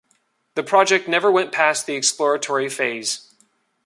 The project never went past the exploratory phase.